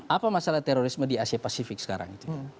apa masalah terorisme di asia pasifik sekarang itu